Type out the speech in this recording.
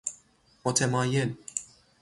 متمایل